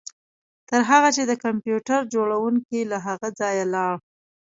تر هغه چې د کمپیوټر جوړونکی له هغه ځایه لاړ